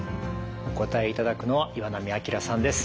お答えいただくのは岩波明さんです。